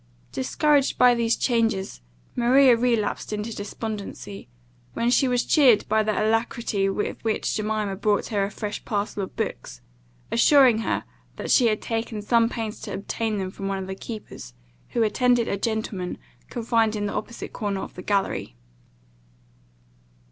Discouraged by these changes, Maria relapsed into despondency, when she was cheered by the alacrity with which Jemima brought her a fresh parcel of books; assuring her, that she had taken some pains to obtain them from one of the keepers, who attended a gentleman confined in the opposite corner of the gallery.